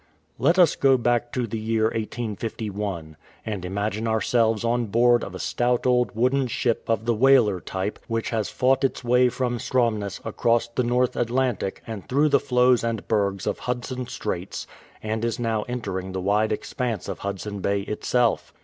Let us go back to the year 1851, and imagine ourselves on board of a stout old wooden ship of the whaler type, which has fought its way from Stromness across the North Atlantic and through the floes and bergs of Hudson Straits, and is now entering the wide expanse of Hudson Bay itself.